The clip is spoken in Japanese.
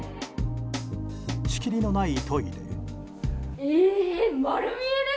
仕切りのないトイレ。